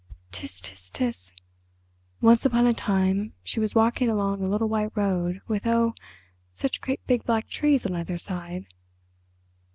"Ts—ts—ts! Once upon a time she was walking along a little white road, with oh! such great big black trees on either side."